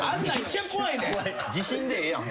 地震でええやん。